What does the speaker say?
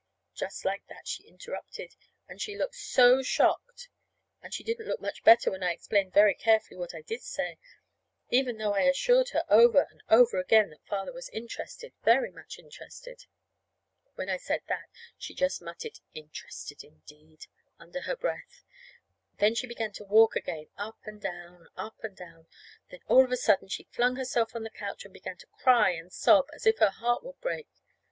Just like that she interrupted, and she looked so shocked. And she didn't look much better when I explained very carefully what I did say, even though I assured her over and over again that Father was interested, very much interested. When I said that, she just muttered, "Interested, indeed!" under her breath. Then she began to walk again, up and down, up and down. Then, all of a sudden, she flung herself on the couch and began to cry and sob as if her heart would break.